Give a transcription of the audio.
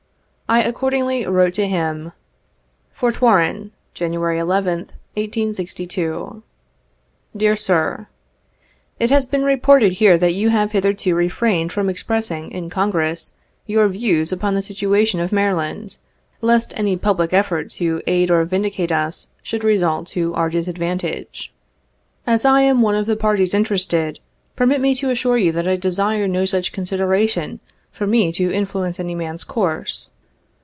I accordingly wrote to him :" Fort Warren, January 11th, 1862. "Dear Sir: —■" It has been reported here that you have hitherto refrained from expressing, in Congress, your views upon the situation of Mary land, lest any public effort to aid or vindicate us should result to our disadvantage. As I am one of the parties interested, permit me to assure you that I desire no such consideration for me to influence any man's course.